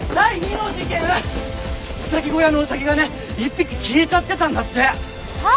ウサギ小屋のウサギがね１匹消えちゃってたんだって！はっ？